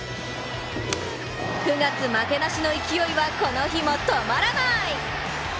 ９月負けなしの勢いは、この日も止まらない！